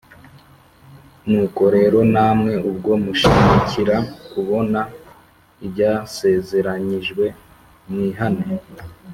Nuko rero namwe ubwo mushimikira kubona ibyasezeranijwe mwihane